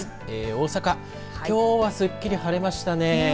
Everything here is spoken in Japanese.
大阪、きょうはすっきり晴れましたね。